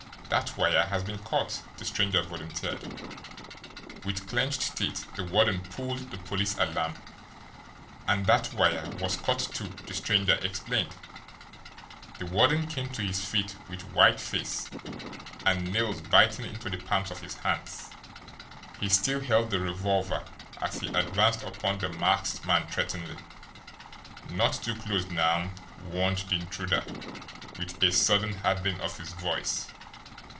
"That wire has been cut," the stranger volunteered. With clenched teeth the warden pulled the police alarm. "And that wire was cut, too," the stranger explained. The warden came to his feet with white face, and nails biting into the palms of his hands. He still held the revolver as he advanced upon the masked man threateningly. "Not too close, now," warned the intruder, with a sudden hardening of his voice.